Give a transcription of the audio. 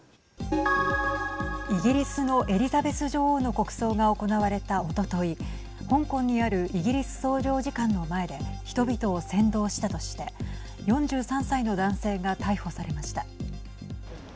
イギリスのエリザベス女王の国葬が行われた、おととい香港にあるイギリス総領事館の前で人々を扇動したとして４３歳の男性が逮捕されました。